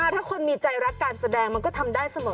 ถ้าคนมีใจรักการแสดงมันก็ทำได้เสมอ